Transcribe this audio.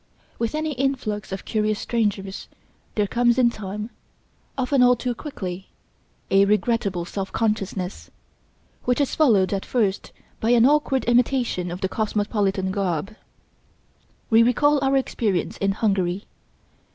With any influx of curious strangers there comes in time, often all too quickly, a regrettable self consciousness, which is followed at first by an awkward imitation of the cosmopolitan garb. We recall our experience in Hungary.